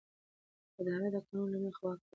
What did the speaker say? اداره د قانون له مخې واک کاروي.